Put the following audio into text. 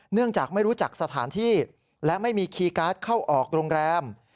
เนื่องจากไม่รู้จักสถานที่และไม่มีคีย์การ์ดเข้าออกโรงแรม